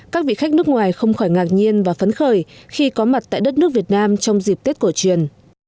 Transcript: các vị khách nước ngoài không khỏi ngạc nhiên và phấn khởi khi có mặt tại đất nước việt nam trong dịp tết cổ truyền